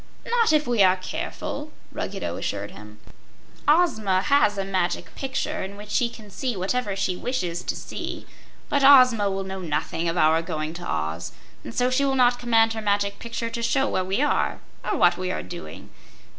"Not if we are careful," Ruggedo assured him. "Ozma has a Magic Picture, in which she can see whatever she wishes to see; but Ozma will know nothing of our going to Oz, and so she will not command her Magic Picture to show where we are or what we are doing.